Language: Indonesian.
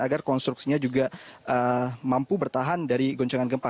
agar konstruksinya juga mampu bertahan dari goncangan gempa